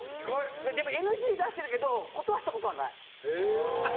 ＮＧ出してるけど断ったことはない。